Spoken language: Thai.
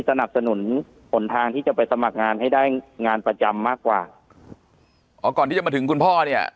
สนับสนุนผลทางที่จะไปสมัครงานให้ได้งานประจำมากกว่าอ๋อก่อนที่จะมาถึงคุณพ่อเนี่ย